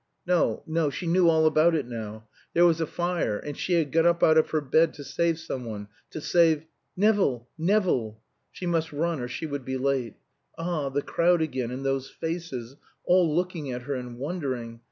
No, no, she knew all about it now; there was a fire, and she had got up out of her bed to save some one to save "Nevill! Nevill!" She must run or she would be late. Ah, the crowd again, and those faces all looking at her and wondering.